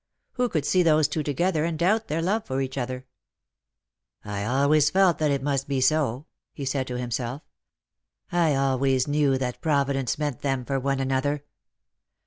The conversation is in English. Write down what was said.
Who could see those two together and doubt their love for each other ? "I always felt that it must be so," he said to himself; "I always knew that Providence meant them for one another.